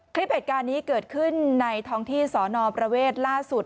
คลิปเหตุการณ์นี้เกิดขึ้นในท้องที่สอนอประเวทล่าสุด